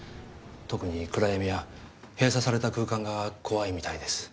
特に暗闇や閉鎖された空間が怖いみたいです